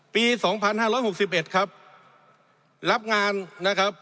ปีสองพันห้าร้อยหกสิบเอ็ดครับรับงานนะครับ